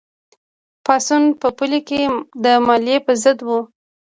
پاڅون په پیل کې د مالیې په ضد و.